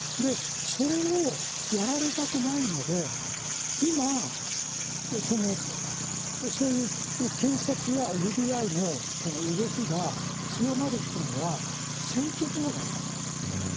それをやられたくないので今、検察やＦＢＩの動きが強まるというのは選挙妨害だと。